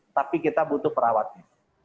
tapi kita butuh perawatnya